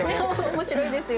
面白いですよね。